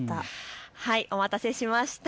お待たせしました。